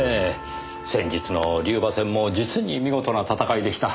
先日の龍馬戦も実に見事な戦いでした。